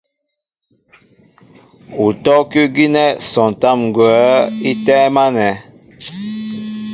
Utɔ́' kʉ́ gínɛ́ sɔntám ŋgwα̌ í tɛ́ɛ́m ánɛ̄.